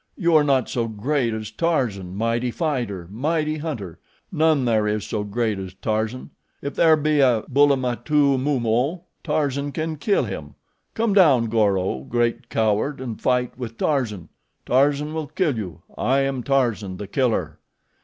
You are not so great as Tarzan, mighty fighter, mighty hunter. None there is so great as Tarzan. If there be a Bulamutumumo, Tarzan can kill him. Come down, Goro, great coward, and fight with Tarzan. Tarzan will kill you. I am Tarzan, the killer."